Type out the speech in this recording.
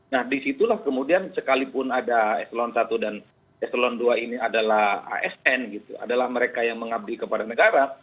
nah disitulah kemudian sekalipun ada eselon i dan eselon dua ini adalah asn gitu adalah mereka yang mengabdi kepada negara